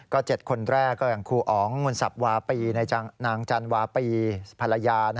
๗คนแรกก็อย่างครูอ๋องมนต์สับวาปีนางจันวาปีภรรยา